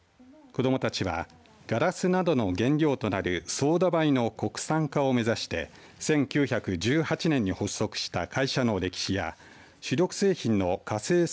子どもたちはガラスなどの原料となるソーダ灰の国産化を目指して１９１８年に発足した会社の歴史や主力製品のカセイ